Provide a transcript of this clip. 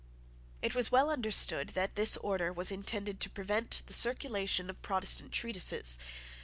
It was well understood that this order was intended to prevent the circulation of Protestant treatises.